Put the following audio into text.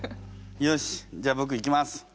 よしじゃあ僕いきます。